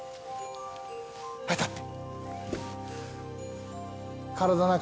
はい、立って。